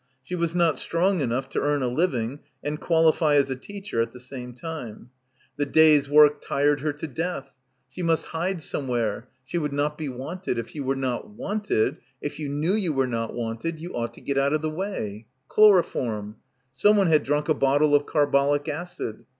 She was not strong enough to earn a living and qualify as a teacher at the same time. The day's work tired her to death. She must hide somewhere. ... She would not be wanted. ... If you were not wanted. ... If you knew you were not wanted — 109 — PILGRIMAGE — you ought to get out of the way. Chloroform. Someone had drunk a bottle of carbolic acid.